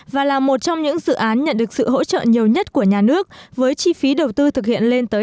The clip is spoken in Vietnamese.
và là một trong những dự án nhận được sự hỗ trợ nhiều nhất của nhà nước với chi phí đầu tư thực hiện lên tới ba mươi chín